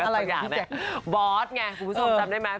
อะไรอ่ะบอสไงคุณผู้ชมจำได้ไหม